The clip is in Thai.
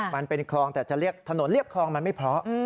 มันเป็นคลองแต่จะเรียกถนนเรียบคลองมันไม่เพราะ